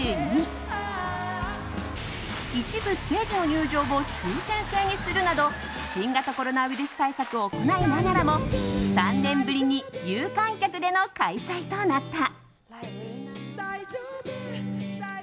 一部ステージの入場を抽選制にするなど新型コロナウイルス対策を行いながらも３年ぶりに有観客での開催となった。